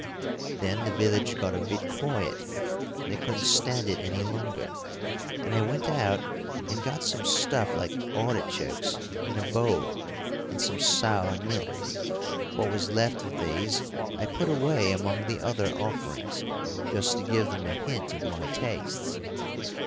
Then the village got a bit quiet, and I couldn't stand it any longer, and I went out and got some stuff like artichokes in a bowl and some sour milk. What was left of these I put away among the other offerings, just to give them a hint of my tastes.